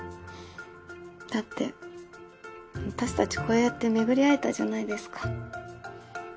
だって私たちこうやって巡り合えたじゃないですか。